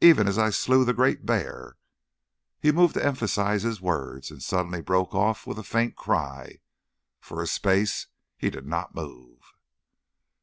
Even as I slew the great bear." He moved to emphasise his words, and suddenly broke off with a faint cry. For a space he did not move.